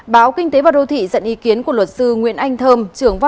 báo kinh tế và đô thị dẫn ý kiến của luật sư nguyễn anh thơm